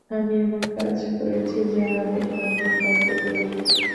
আমি এমন কাজ করেছি, যা আগে কখনো কাউকে বলিনি।